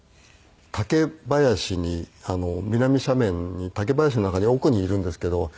竹林に南斜面に竹林の中に奥にいるんですけど。